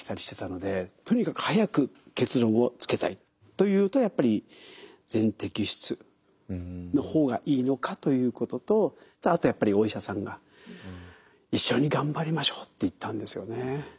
とにかく早く結論をつけたいというとやっぱり全摘出の方がいいのかということとあとやっぱりお医者さんが「一緒に頑張りましょう」って言ったんですよね。